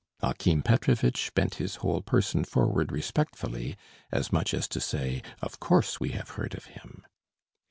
Akim Petrovitch bent his whole person forward respectfully: as much as to say, "Of course we have heard of him."